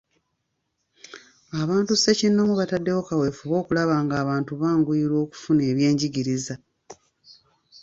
Abantu ssekinoomu bataddewo kaweefube okulaba nga abantu banguyirwa okufuna ebyenjigiriza.